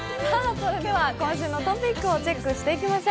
それでは今週のトピックをチェックしていきましょう。